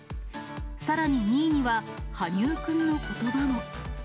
さらに２位には、羽生くんのことばも。